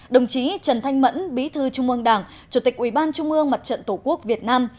đồng chí trần thanh mẫn bí thư trung mương đảng chủ tịch ubnd mặt trận tổ quốc việt nam